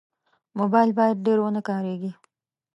موبایل باید ډېر ونه کارېږي.